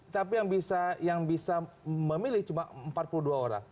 tapi yang bisa memilih cuma empat puluh dua orang